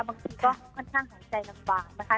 บางทีก็ค่อนข้างหายใจลำบากนะคะ